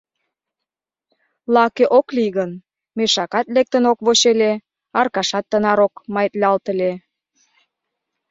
Лаке ок лий гын, мешакат лектын ок воч ыле, Аркашат тынар ок маитлалт ыле.